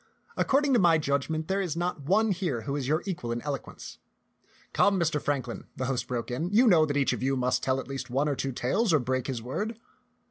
According to my judg ment there is not one here who is your equal in eloquence." Come, Mr. Franklin," the host broke in, " you know that each of you must tell at least one or two tales or break his word."